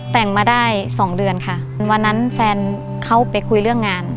แต่งมาได้สองเดือนค่ะวันนั้นแฟนเขาไปคุยเรื่องงาน